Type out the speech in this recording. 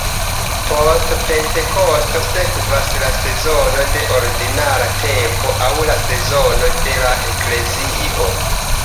Post Pentekosto sekvas la sezono de "Ordinara tempo", aŭ la sezono de la Eklezio.